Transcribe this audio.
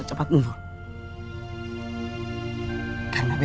tapi itu sudah jadi